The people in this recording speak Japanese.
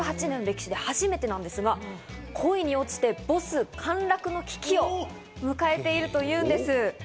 ６８年の歴史で初めてのメスなんですが恋に落ちてボス陥落の危機を迎えているというんです。